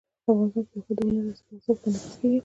افغانستان کې یاقوت د هنر په اثار کې منعکس کېږي.